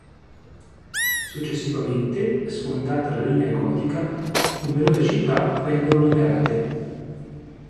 Successivamente, sfondata la Linea Gotica, numerose città vennero liberate.